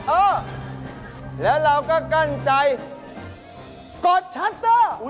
เออแล้วเราก็กั้นใจกดชัตเตอร์